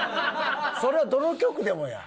それはどの局でもや！